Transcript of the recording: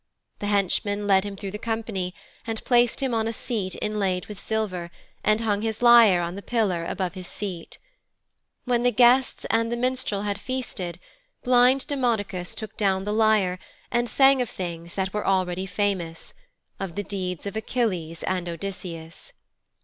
The henchman led him through the company, and placed him on a seat inlaid with silver, and hung his lyre on the pillar above his seat. When the guests and the minstrel had feasted, blind Demodocus took down the lyre and sang of things that were already famous of the deeds of Achilles and Odysseus.